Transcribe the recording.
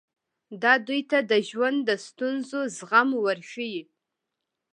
دا دوی ته د ژوند د ستونزو زغم ورښيي.